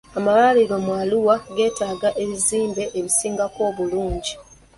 Amalwaliro mu Arua geetaaga ebizimbe ebisingako obulungi.